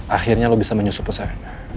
akhirnya lo bisa menyusup pesan